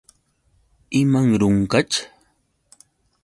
¿Imanrunqaćh?